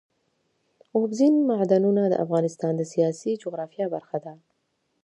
اوبزین معدنونه د افغانستان د سیاسي جغرافیه برخه ده.